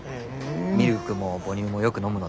ミルクも母乳もよく飲むので。